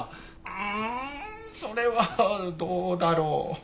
うーんそれはどうだろう？